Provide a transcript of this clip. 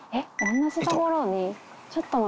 同じ所に。